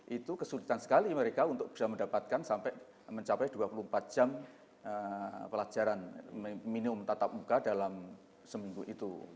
itu kesulitan sekali mereka untuk bisa mendapatkan sampai mencapai dua puluh empat jam pelajaran minimum tatap muka dalam seminggu itu